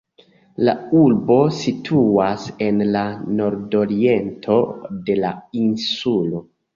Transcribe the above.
La urbo situas en la nordoriento de la insulo.